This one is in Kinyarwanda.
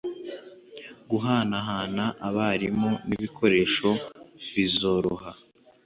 guhanahana abarimu n’ibikoresho bizoroha